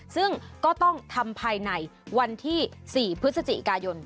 ซึ่งก็ต้องทำภายในวันที่๔พฤศจิกายน